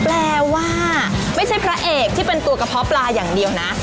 แปลว่าไม่ใช่พระเอกที่เป็นตัวกระเพาะปลาอย่างเดียวนะ